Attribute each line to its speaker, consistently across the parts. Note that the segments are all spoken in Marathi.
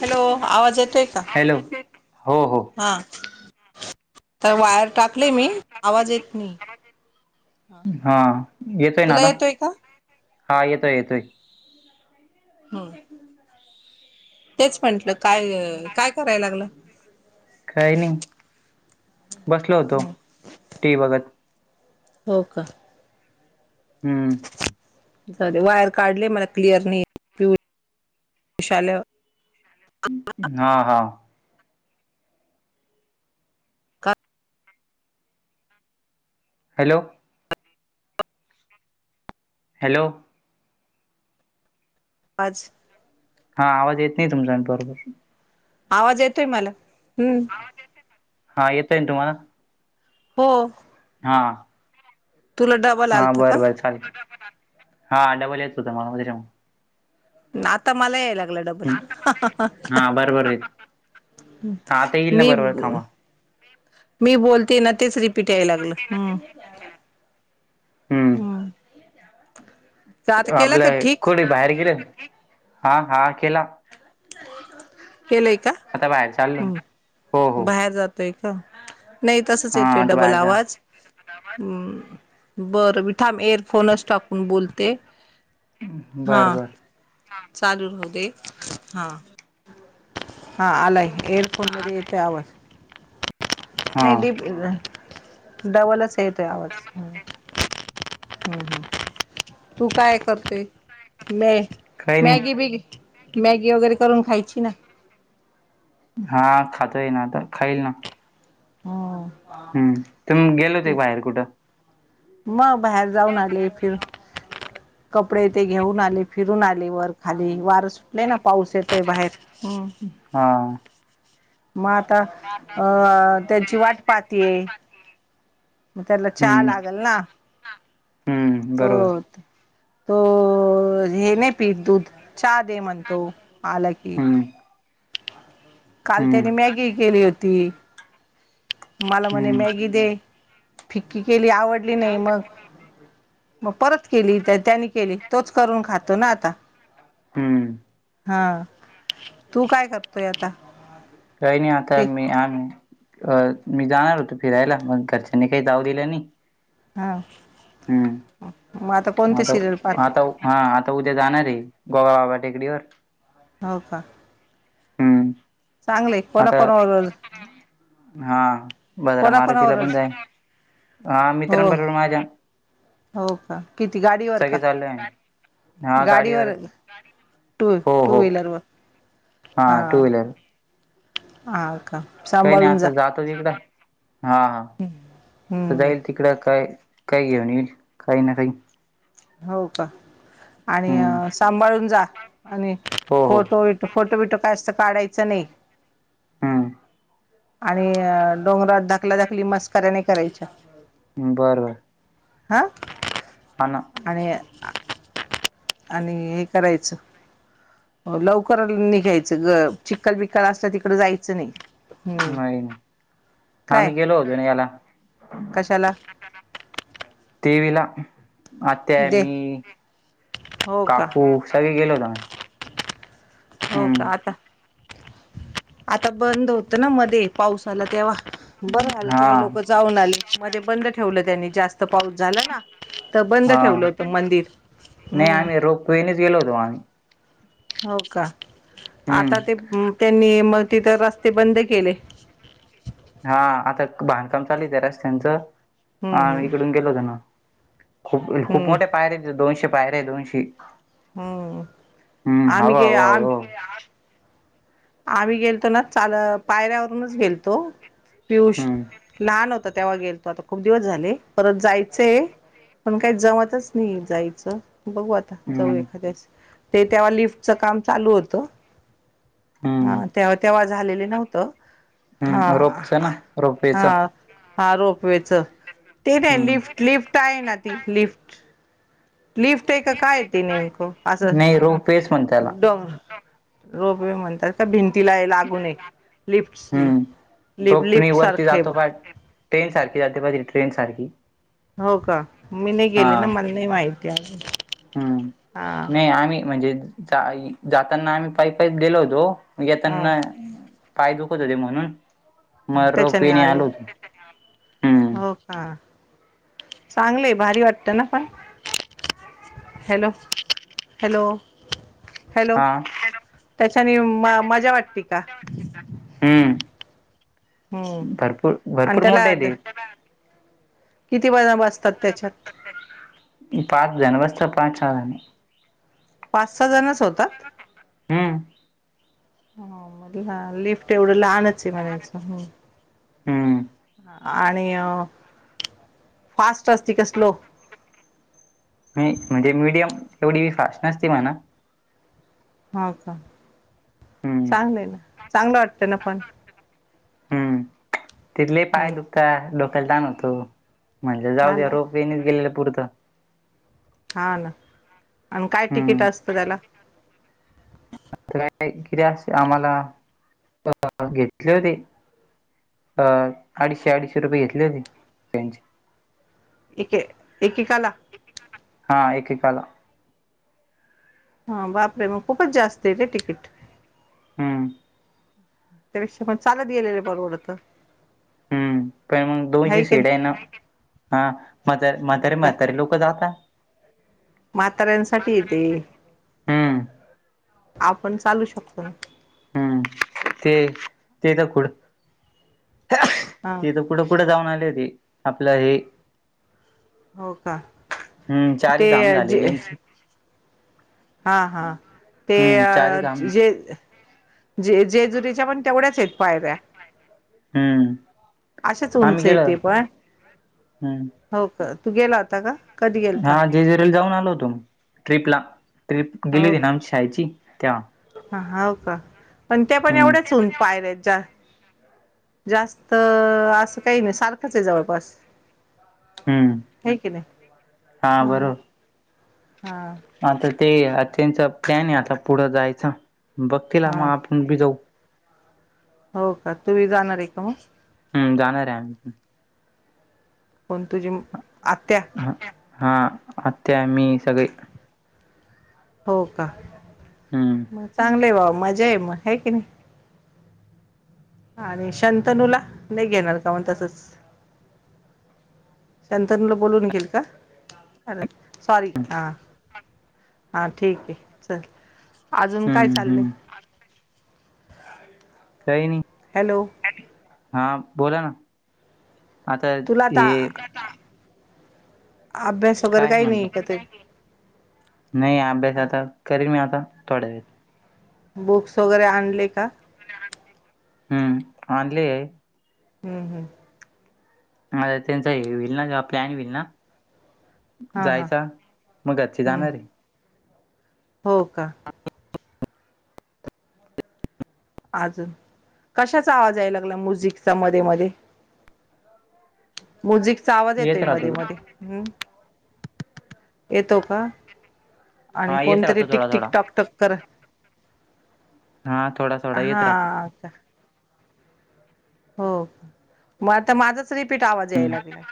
Speaker 1: हॅलो आवाज येतो
Speaker 2: हॅलो हो हो.
Speaker 1: हा तर वायर टाक लय मी. आवाज येत नाही.
Speaker 2: हा ना
Speaker 1: तुला
Speaker 2: आता
Speaker 1: येतोय का?
Speaker 2: हा येतोय - येतोय.
Speaker 1: हो. तेच म्हटलं काय काय कराय लागला.
Speaker 2: काही नाही बसलो होतो
Speaker 1: ह
Speaker 2: टी व्ही बघत.
Speaker 1: हो का.
Speaker 2: हम्म.
Speaker 1: जाऊदे वायर काढले मला क्लिअर नाही येत. [unintelligible] आल.
Speaker 2: हा -हा.
Speaker 1: का
Speaker 2: हॅलो! हॅलो!
Speaker 1: आज
Speaker 2: हा आवाज येत नाही तुमचा बरोबर.
Speaker 1: आवाज येतोय मला, हम्म.
Speaker 2: हा येतय ना तुम्हाला?
Speaker 1: हो.
Speaker 2: हा.
Speaker 1: तुला डबा
Speaker 2: हा बरं बरं चालेल, हा डबल येत होतं मला त्याच्यामुळं
Speaker 1: आता मला याय लागला डब बल
Speaker 2: हा बरोबर येत हा आता
Speaker 1: [unintelligible]
Speaker 2: येईल ना
Speaker 1: मी.
Speaker 2: बरोबर थांबा
Speaker 1: मी बोलती ना तेच रीप् पिट याय लागलं, हम्म हम्म. तर आता केला का
Speaker 2: आपलं
Speaker 1: ठीक
Speaker 2: कुठ बाहेर गेलं, हा हा केला.
Speaker 1: केलंय का?
Speaker 2: आता बाहेर चाललो हो हो
Speaker 1: बाहेर जात तोय का, नाही तसच
Speaker 2: हा
Speaker 1: येतोय
Speaker 2: आता
Speaker 1: डबल
Speaker 2: बाहेर जा
Speaker 1: आवाज. हम्म, बरं मी थाम एअरफोनच टाकून बोलते. हा
Speaker 2: बर बर
Speaker 1: चालू राहु दे. हा हा आलाय एअरफोनमध्ये येतोय आवाज. नाही
Speaker 2: हा
Speaker 1: डीप अं डबलच येतोय आवाज. तू काय करतोय? मे
Speaker 2: काही नाही
Speaker 1: मॅगी बीगी, मॅगी वगैरे करून खायची ना.
Speaker 2: हा खातोय ना, आता खाईल ना.
Speaker 1: हम्म
Speaker 2: हम्म, तुमी गेलो होते का बाहेर कुठं.?
Speaker 1: मग बाहेर जाऊन आले फिरुन कपडे ते घेऊन आले, फिरून आले वर- खाली वार सुटलाय ना पाऊस येतय बाहेर. हम्म
Speaker 2: हा.
Speaker 1: मग आता अ त्यांची वाट पहातीये. मग त्यांला चहा
Speaker 2: हम्म
Speaker 1: लागल ना.
Speaker 2: हम्म बरोबर
Speaker 1: तोत, तो हे नाही पीत दूध, चहा दे म्हणतो. आला की
Speaker 2: हम्म
Speaker 1: काल
Speaker 2: हम्म
Speaker 1: त्याने मॅगी केली होती. मला म्हणे
Speaker 2: हम्म
Speaker 1: मॅगी दे, फिक्की केली आवडली नाही मग, मग परत केली, त्या त्यांनी केली तोच करून खातो ना आता.
Speaker 2: हम्म
Speaker 1: हा, तू काय करतोय आता?
Speaker 2: काही नाही आता
Speaker 1: ते
Speaker 2: मी आमी अ मी जाणार होतो फिरायला, मग घरच्यांनी काही जाऊ दिलं नाही.
Speaker 1: हा
Speaker 2: हम्म
Speaker 1: मग आता कोणते सिरियल पाह
Speaker 2: आता हा आता उद्या जाणार आहे, गोगाबाबा टेकडीवर.
Speaker 1: हो का
Speaker 2: हम्म
Speaker 1: चांगलंय कोणा
Speaker 2: आता
Speaker 1: कोणा बरोबर ज्
Speaker 2: हा, भद्रा मारुतीला पण
Speaker 1: कोणाकोणावरच
Speaker 2: जाईन, हा
Speaker 1: हो
Speaker 2: मित्रांबरोबर माझ्या.
Speaker 1: हो का? किती गाडीवर
Speaker 2: सगळे
Speaker 1: का?
Speaker 2: चाललोय आम्ही हा
Speaker 1: गाडीवर,
Speaker 2: गाडीवरच
Speaker 1: टू
Speaker 2: हो
Speaker 1: टू -
Speaker 2: हो
Speaker 1: व्हीलर वर हा,
Speaker 2: टू व्हीलर
Speaker 1: हा का.
Speaker 2: काही नाही
Speaker 1: सांभाळून जा
Speaker 2: आता जातो तिकड, हा-हा तर
Speaker 1: हम्म
Speaker 2: जाईल. तिकडं काय काही घेऊन येईल, काही ना काही.
Speaker 1: हो का. आणि
Speaker 2: हम्म
Speaker 1: सांभाळून जा, आणि
Speaker 2: हो हो
Speaker 1: फोटो विट फोटो विट. कास्तं काढायचं नाही.
Speaker 2: हम्म.
Speaker 1: आणि डोंगरात धाकला-धकली मस्कऱ्या नाही करायच्या.
Speaker 2: बरं-बरं.
Speaker 1: हा.
Speaker 2: हा ना.
Speaker 1: आणि-आणि हे करायचं लवकर निघायचं ग, चिक्खल बिक्खल असल्या तिकड जायचं नाही. हम्म
Speaker 2: नाही-नाही.
Speaker 1: काय
Speaker 2: आम्ही गेलो होतो ना, याला.
Speaker 1: कशाला
Speaker 2: तेवी ला, आत्या,
Speaker 1: दे
Speaker 2: मी,
Speaker 1: हो का
Speaker 2: काकू. सगळी गेलो होतो काय नाही.
Speaker 1: हो का, आता. आता बंद होतं ना मध्ये, पावस आला तेव्हा, बरं झाल
Speaker 2: हा
Speaker 1: तुम्ही लोक जाऊन आले. मध्ये बंद ठेवलं त्यांनी, जास्त पाऊस झाला ना. तर बंद
Speaker 2: हा
Speaker 1: ठेवलं होत मंदिर, हम्म.
Speaker 2: कोहिनीच गेल होतो माझं.
Speaker 1: हो का,
Speaker 2: हम्म
Speaker 1: आता ते त्यांनी मग तिथ रस्ते बंद केले.
Speaker 2: हा आता बांधकाम चालत आहे रस्त्यांचं, हा
Speaker 1: हम्म
Speaker 2: आम्ही
Speaker 1: हम्म
Speaker 2: इकडून गेलो होतो ना. खूप-खूप
Speaker 1: हम्म
Speaker 2: मोठे पायरे दोनशे पायरे आहे, दोनशे.
Speaker 1: हम्म
Speaker 2: हम्म,
Speaker 1: आम्ही गे
Speaker 2: हवा-हवा
Speaker 1: आम
Speaker 2: व.
Speaker 1: आम्ही गेलतो ना चाल पायऱ्यावरूनच गेलतो, पियुष
Speaker 2: हम्म
Speaker 1: लहान होत तेव्हा गेलतो, आता खूप दिवस झाले, परत जायचेय. पण काही जमतच नाही जायचं. बघू आता जाऊ
Speaker 2: हम्म
Speaker 1: एखाद्यास, ते तेव्हा लिफ्टचं काम चालू होतं. हा
Speaker 2: हम्म
Speaker 1: तेव्हा-तेव्हा झालेले नव्हतं,
Speaker 2: हम्म रोपच ना
Speaker 1: हा-हा.
Speaker 2: रोपवेच
Speaker 1: हा रोपवेच, ते त्या
Speaker 2: हम्म
Speaker 1: लिफ्ट, लिफ्ट आहे ना ती लिफ्ट. लिफ्ट आहे का काय ते नेमकं असं.
Speaker 2: रोम फेच म्हणत त्याला
Speaker 1: डोंग, रोपवे म्हणतात. भिंतीला आहे, लागू नये लिफ्ट लि
Speaker 2: हम्म रोपणी
Speaker 1: लिफ्ट
Speaker 2: वरती
Speaker 1: सारखं आहे
Speaker 2: जातो
Speaker 1: बग.
Speaker 2: पाय ट्रेन सारखी जाते बगा ट्रेन सारखी.
Speaker 1: हो का, मी नाही
Speaker 2: हा
Speaker 1: गेली ना, मला नाही माहिती आजुन.
Speaker 2: हम्म, नाही आम्ही म्हणजे जा जाताना आम्ही पाई-पाई गेलो होतो.
Speaker 1: हा
Speaker 2: येताना पाय दुखत होते म्हणून मग
Speaker 1: त्याच्याने
Speaker 2: रोपीने
Speaker 1: आले
Speaker 2: आलू होतो, हम्म.
Speaker 1: हा, चांगलेय भारी वाटत ना पण. हॅलो-हॅलो.
Speaker 2: हा.
Speaker 1: त्याच्याने म मजा वाटते का.
Speaker 2: हम्म
Speaker 1: हम्म
Speaker 2: भरपूर,
Speaker 1: आणि
Speaker 2: भरपूर मोठा
Speaker 1: त्याला
Speaker 2: आहे ते.
Speaker 1: किती वाजेला वासतात?
Speaker 2: [inaudible] पाच जान बसतात पाच, सहा जन.
Speaker 1: पाच, सहा जणच होतात?
Speaker 2: हम्म
Speaker 1: ह मधला लिफ्ट एवढं लहानच आहे म्हणायचं ह.
Speaker 2: हम्म
Speaker 1: आणि फास्ट असती का स्लो?
Speaker 2: मी म्हणजे मीडियम एवढी फास्ट नसती म्हणा.
Speaker 1: हो का
Speaker 2: हम्म
Speaker 1: चांगलं आहे ना चांगलं वाटतं ना पण?
Speaker 2: हम्म तिथले पाय
Speaker 1: हम्म.
Speaker 2: दुखता डोक्याला तणवतो म्हणजे जाऊ
Speaker 1: हा
Speaker 2: द्या
Speaker 1: ना
Speaker 2: रोपवेणीच गेलेलं पुरतं.
Speaker 1: हा ना आणि काय तिकीट
Speaker 2: हम्म
Speaker 1: असतं त्याला?
Speaker 2: काय क [inaudible] अस आम्हाला घेतले होते. अ अडीचशे, अडीचशे रुपये घेतले होते त्यांचे.
Speaker 1: एके एकेकाला?
Speaker 2: हा एकेकाला.
Speaker 1: हा बापरे मग खूपच जास्त आहे रे तिकीट.
Speaker 2: हम्म.
Speaker 1: त्यापेक्षा पण चालत गेलेले परवडत.
Speaker 2: हम्म काय मग
Speaker 1: आहे
Speaker 2: दोनशे
Speaker 1: की
Speaker 2: सीट
Speaker 1: नाही
Speaker 2: आहेना. हा
Speaker 1: मग
Speaker 2: म्हातारे
Speaker 1: का
Speaker 2: म्हातारे लोक जातात.
Speaker 1: म्हाताऱ्यांसाठी येते
Speaker 2: हम्म
Speaker 1: आपण चालू शकतो ना.
Speaker 2: हम्म ते ते तर खुड
Speaker 1: हा
Speaker 2: ते तर कुठे, कुठे जाऊन आली होती आपलं हे
Speaker 1: हो का
Speaker 2: हम्म
Speaker 1: ते
Speaker 2: चारधाम झाले
Speaker 1: जे
Speaker 2: त्यांचे.
Speaker 1: हा हा ते
Speaker 2: धाम
Speaker 1: जे जे जेजुरीच्या पण तेवढ्याच आहेत पायऱ्या.
Speaker 2: हम्म
Speaker 1: अशाच
Speaker 2: आम्ही
Speaker 1: उंच आहेत
Speaker 2: गेलो
Speaker 1: ते पण
Speaker 2: हम्म
Speaker 1: हो का तू गेला होता का? कधी
Speaker 2: हा
Speaker 1: गेलता
Speaker 2: जेजराला जाऊन आलो होतो ट्रीपला ट्रिप गेली होती ना आमच्या शाळेची तेव्हा.
Speaker 1: हा हो का पण त्यापण
Speaker 2: हम्म
Speaker 1: एवढ्याच होऊन पायऱ्यांच्या. जास्त असं काही नाही सारखंच आहे जवळपास.
Speaker 2: हम्म
Speaker 1: हाय की नाही? हा हा.
Speaker 2: आता ते आत्यांच प्लॅन आहे आता पुढं जायच बघतील मग
Speaker 1: हा
Speaker 2: आपण बी जाऊ.
Speaker 1: हो का तुम्ही जाणार आहे का मग?
Speaker 2: हम्म जाणार आहे पण.
Speaker 1: कोण तुझी आत्या?
Speaker 2: ह हा आत्या मी सगळे.
Speaker 1: हो का
Speaker 2: हम्म
Speaker 1: म चांगलं आहे भाव मजा आहे मग हे की नाही? आणि शंतनूला नाही घेणार का मग तसंच? संतनला बोलून निघेइल का? चालल सॉरी हा हा ठीक आहे चल अजून काय
Speaker 2: हम्म
Speaker 1: चाललंय?
Speaker 2: हम्म काही नाही.
Speaker 1: हॅलो.
Speaker 2: हा बोला ना आता
Speaker 1: तुला आता
Speaker 2: हे
Speaker 1: अभ्यास वगैरे
Speaker 2: काय
Speaker 1: काही नाही का ते?
Speaker 2: म्हणत नाही अभ्यास आता करणी मी आता थोड्या वेळ.
Speaker 1: बुक्स वगैरे आणले का?
Speaker 2: हम्म आणले आहे.
Speaker 1: हम्म हम्म
Speaker 2: अ त्यांचा हे होईल ना जेव्हा प्लॅन होईल ना
Speaker 1: हां हां
Speaker 2: जायचा, मग घरचे
Speaker 1: हम्म
Speaker 2: जाणार आहे.
Speaker 1: हो का अजून, कशाचा आवाज यायला लागला म्युझिकचा मध्ये मध्ये. म्युझिकचा आवाज येतोय
Speaker 2: येत राहतो
Speaker 1: मध्ये
Speaker 2: तो.
Speaker 1: मध्ये. हम्म येतो का? आणि
Speaker 2: हा येत
Speaker 1: कोणतरी
Speaker 2: राहतो थोडा
Speaker 1: टिकटिक
Speaker 2: थोडा
Speaker 1: टॉक टॉक कर
Speaker 2: हा थोडा थोडा येत राहतो.
Speaker 1: आता हो मग आता माझाच रिपीट आवाज याय
Speaker 2: हम्म
Speaker 1: लागलाय.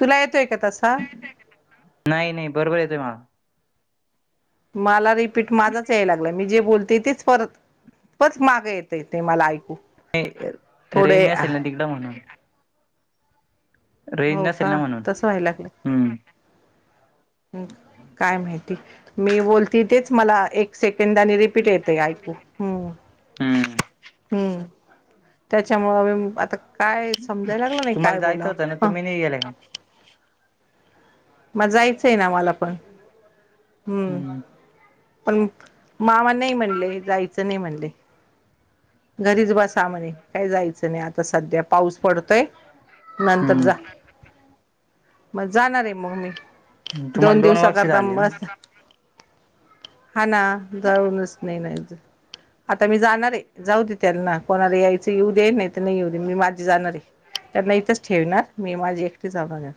Speaker 1: तुला येतोय का तसा.
Speaker 2: नाही नाही बरोबर येतो मला.
Speaker 1: मला रिपीट माझाच यायला. मी जे बोलते तेच परत, परत माग येते ते मला ऐकू. थोडे
Speaker 2: रेंज नसेल ना तिकडे म्हणून. रेंज
Speaker 1: हो
Speaker 2: नसेल ना
Speaker 1: का
Speaker 2: म्हणून.
Speaker 1: तसं व्हायला लागलं
Speaker 2: हम्म
Speaker 1: काय माहिती. मी बोलती तेच मला एक सेकंदाने रिपीट येतय ऐकू. हम्म
Speaker 2: हम्म
Speaker 1: हम्म त्याच्यामुळ आता काय समजाय लागल नाही
Speaker 2: तुम्हाला
Speaker 1: काय
Speaker 2: जायचं होतं
Speaker 1: बोलाव‌.
Speaker 2: [unintelligible]
Speaker 1: मग जायच आहे ना मला पण. हम्म पण मामा नही म्हणले. जायच नही म्हणले. घरीच बसा म्हणे. काय जायच नाही आता सध्या पाऊस पडतोय. नंतर जा‌.
Speaker 2: हम्म
Speaker 1: मग जाणार आहे मग मी. दोन
Speaker 2: तुम्हाला
Speaker 1: दिवसा
Speaker 2: वर्ष
Speaker 1: करता
Speaker 2: झाले ना
Speaker 1: मस हा ना जाऊनच नाही अजुन आता मी जाणार आहे. जाऊ दे त्यांना. कोणाला यायच येऊ दे नाही तर नाही येऊ दे. मी माझी जाणार आहे. त्यांना इथच ठेवणार. मी माझी एकटी जाऊण येणार.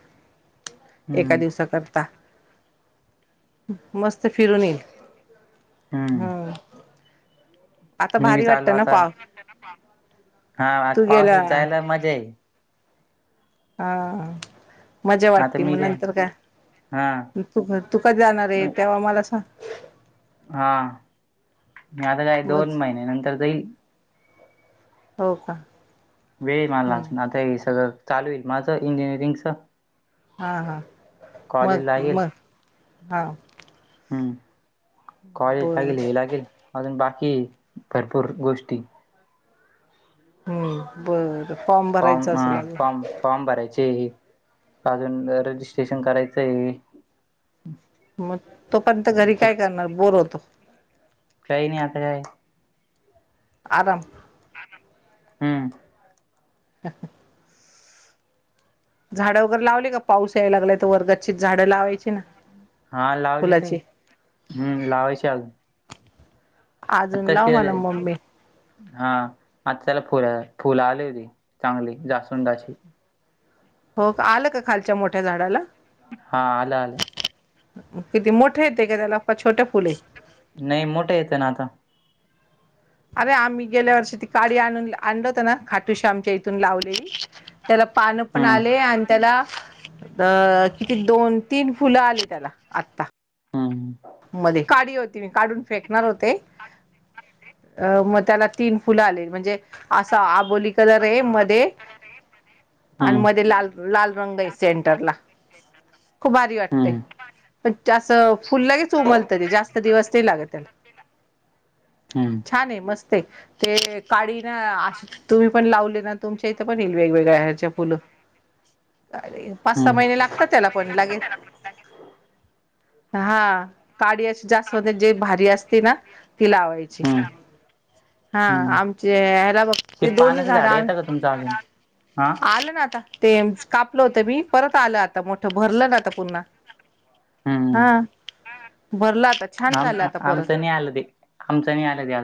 Speaker 1: एका
Speaker 2: हम्म
Speaker 1: दिवसा करता मस्त फिरून येईल.
Speaker 2: हम्म
Speaker 1: आता
Speaker 2: मी बी
Speaker 1: भारी
Speaker 2: चाललो
Speaker 1: वाटतं ना
Speaker 2: आता.
Speaker 1: पाव
Speaker 2: हा आता
Speaker 1: तू गेला
Speaker 2: पावसात जायला मजा आहे.
Speaker 1: हा मजा
Speaker 2: आता
Speaker 1: वाटती.
Speaker 2: मी
Speaker 1: मग नंतर काय?
Speaker 2: हा
Speaker 1: तू तू कध जाणार आहे तेव्हा मला सांग.
Speaker 2: हा मी आता काय
Speaker 1: मग
Speaker 2: दोन महिने नंतर जाईल.
Speaker 1: हो का
Speaker 2: वेळ आहे मला
Speaker 1: हम्म
Speaker 2: अजून. आता हे सगळ चालू होईल माझ इंजिनिअरिंगच.
Speaker 1: हा हा
Speaker 2: कॉलेज
Speaker 1: मग
Speaker 2: लागेल
Speaker 1: मग हा
Speaker 2: हम्म कॉलेज लागेल.
Speaker 1: बर
Speaker 2: हे लागेल. अजून बाकी आहे भरपूर गोष्टी.
Speaker 1: हम्म बर फॉर्म भरायच असल अजुन.
Speaker 2: फॉर्म भरायचे आहे. अजून रजिस्ट्रेशन करायच आहे.
Speaker 1: मग तोपर्यंत घरी
Speaker 2: खूप
Speaker 1: काय करणार. बोर होत.
Speaker 2: काही नाही आता काय.
Speaker 1: आराम.
Speaker 2: हम्म.
Speaker 1: ह [inaudible] झाडं वगैरे लावली का पाऊस यायला लागलाय तवर गच्चीत झाडं लावायची ना.
Speaker 2: हा लावलेली
Speaker 1: फुलाची
Speaker 2: हम्म लावायची अजून.
Speaker 1: अजून
Speaker 2: आता
Speaker 1: लाव मला
Speaker 2: केळय.
Speaker 1: मम्मी
Speaker 2: हा आता त्याला फुल फुल आली होती चांगली जास्वंदाची.
Speaker 1: हो आलं का खालच्या मोठ्या झाडाला.
Speaker 2: हा आलं आलं.
Speaker 1: किती मोठे येते का त्याला छोट्या फुलेय.
Speaker 2: नाही मोठं येतं ना आता.
Speaker 1: अरे आम्ही गेल्या वर्षी ती काडी आणून आणल होत ना खाटूशी आमच्या इथून लावलेली. त्याला पानं पण
Speaker 2: हम्म
Speaker 1: आले आणि त्याला. अ किती दोन तीन फुलं आली त्याला आता.
Speaker 2: हम.
Speaker 1: मध्ये काढ होती मी काढून फेकणार होते. अ मग त्याला तीन फुलं आली म्हणजे असं आबोली. कलर आहे मध्ये आणि
Speaker 2: हम्म
Speaker 1: मध्ये लाल लाल रंग आहे सेंटर ला. खूप भारी वाटतेय
Speaker 2: हम्म
Speaker 1: पण असं फुल लागेच. उमलतय जास्त दिवस नाही लागत त्याला.
Speaker 2: हम्म.
Speaker 1: छान आहे मस्त आहे ते काडी ना अशी. तुम्ही पण लावले ना तुमच्या इथे पण येईल वेगवेगळ्या हच्या फुल कारे. पाच सहा
Speaker 2: हम्म
Speaker 1: महिने लागतात त्याला पण लागेच हा. काडी अशी जास्वंदीची जे भारी असते ना ती लावायची.
Speaker 2: हम्म
Speaker 1: हा
Speaker 2: हम्म
Speaker 1: आमचे याला बघ ते दोन्ही
Speaker 2: पानाचं
Speaker 1: झाड आन.
Speaker 2: येतं का तुमचं अजून हा
Speaker 1: आलं ना आता. ते कापलं होतं मी परत आलं आता मोठं भरलं ना आता पुन्हा.
Speaker 2: हम्म
Speaker 1: हा भरलं आता छान
Speaker 2: आम
Speaker 1: झालं आता परत
Speaker 2: आमचं नय आलं ते आमचं‌ नय आलं ते आज.